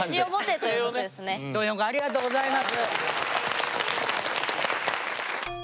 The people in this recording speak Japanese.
ドヨン君ありがとうございます。